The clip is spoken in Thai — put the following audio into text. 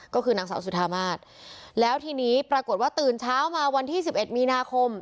ก็คือนางสาวสุธามาศแล้วทีนี้ปรากฏว่าตื่นเช้ามาวันที่สิบเอ็ดมีนาคม